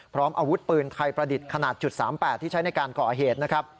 พร้อมอาวุธปืนไทยประดิษฐ์ขนาด๓๘ที่ใช้ในการก่อเหตุนะครับ